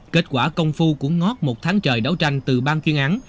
kết quả công phu của ngót một tháng trời đấu tranh từ ban chuyên án